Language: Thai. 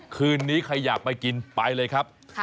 คืนนี้ใครอยากไปกินไปเลยครับ